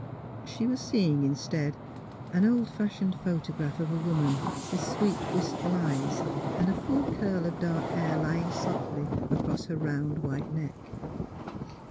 She was seeing, instead, an old fashioned photo graph of a woman, with sweet, wistful eyes, and a full curl of dark hair lying softly across her round white neck.